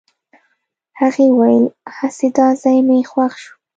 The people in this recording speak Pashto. هغې وويل هسې دا ځای مې خوښ شو.